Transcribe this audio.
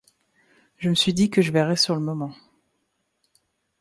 Je me suis dit que je verrais sur le moment.